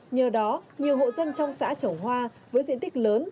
nhờ đó nhiều hộ dân trong xã trồng hoa với diện tích lớn